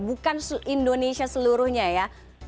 bukan indonesia seluruhnya ya